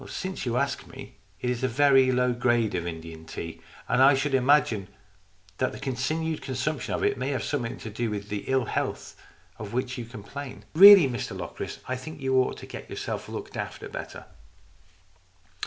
Since you ask me, it is a very low grade of Indian tea, and I should imagine that the con tinued consumption of it might have something to LOCRIS OF THE TOWER 209 do with the ill health of which you complain. Really, Mr Locris, I think you ought to get yourself looked after better."